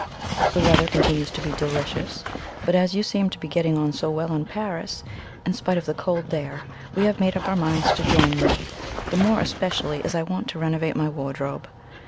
The weather continues to be delicious; but as you seem to be getting on so well in Paris, in spite of the cold there, we have made up our minds to join you, the more especially as I want to renovate my wardrobe.